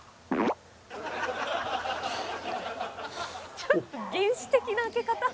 「ちょっと原始的な開け方」